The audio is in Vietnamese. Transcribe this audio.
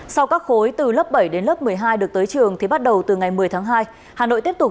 sau các khối từ lớp bảy đến lớp một mươi hai được tới trường thì bắt đầu từ ngày một mươi tháng hai hà nội tiếp tục